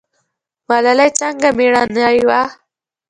ملالۍ څنګه میړنۍ وه؟